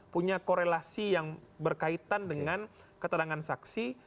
punya korelasi yang berkaitan dengan keterangan saksi